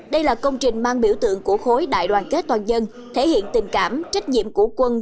đây là công trình mang biểu tượng của khối đại đoàn kết toàn dân thể hiện tình cảm trách nhiệm của quân